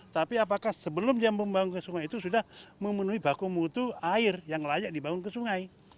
tapi apakah sebelum dia membangun ke sungai itu sudah memenuhi baku mutu air yang layak dibangun ke sungai